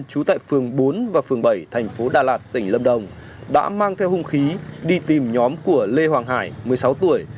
trú tại phường bốn và phường bảy thành phố đà lạt tỉnh lâm đồng đã mang theo hung khí đi tìm nhóm của lê hoàng hải một mươi sáu tuổi